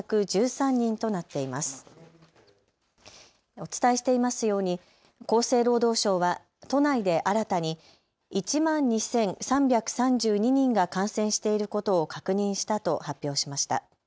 お伝えしていますように厚生労働省は都内で新たに１万２３３２人が感染していることを確認したと発表しました。